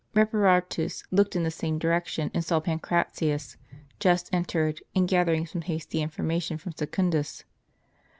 Reparatus looked in the same direction, and saw Pancratius, just entered, and gathering some hasty infor mation from Secundus.